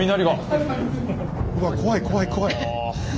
うわ怖い怖い怖い！